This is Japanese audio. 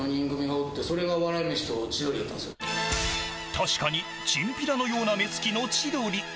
確かにチンピラのような目つきの千鳥。